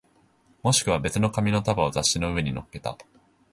もしくは別の紙の束を雑誌の上に乗っけた